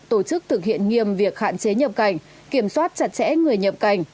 tổ chức thực hiện nghiêm việc hạn chế nhập cảnh kiểm soát chặt chẽ người nhập cảnh